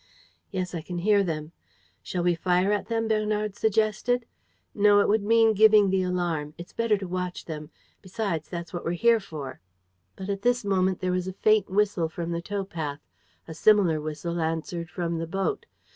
"Yes, I can hear them." "Shall we fire at them?" Bernard suggested. "No, it would mean giving the alarm. It's better to watch them. Besides, that's what we're here for." But at this moment there was a faint whistle from the tow path. A similar whistle answered from the boat.